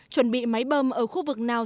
chuẩn bị máy bơm ở khu vực nào